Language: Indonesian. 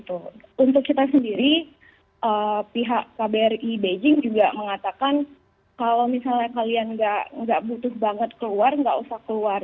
untuk kita sendiri pihak kbri beijing juga mengatakan kalau misalnya kalian nggak butuh banget keluar nggak usah keluar